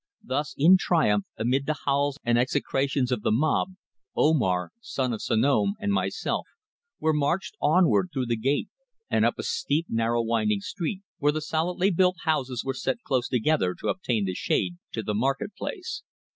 Thus, in triumph, amid the howls and execrations of the mob, Omar, son of Sanom, and myself, were marched onward through the gate and up a steep narrow winding street, where the solidly built houses were set close together to obtain the shade, to the market place.